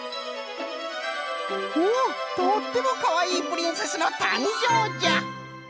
おおとってもかわいいプリンセスのたんじょうじゃ！